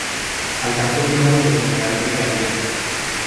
Alcanzó el grado de general brigadier.